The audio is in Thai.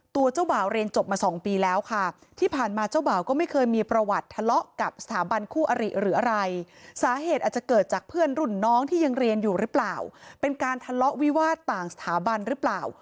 ตัวเจ้าบ่าวเลนจบมาสองปีแล้วค่ะ